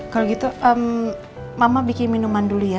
kalau gitu mama bikin minuman dulu ya